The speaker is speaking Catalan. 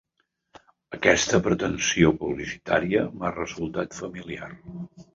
Aquesta pretensió publicitària m'ha resultat familiar.